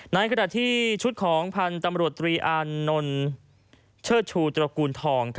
ในขณะที่ชุดของพันธ์ตำรวจตรีอานนท์เชิดชูตระกูลทอง